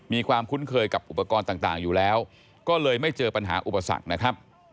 มีความคุ้นเคยกับอุปกรณ์ต่างอยู่แล้วก็เลยไม่เจอปัญหาอุปสรรค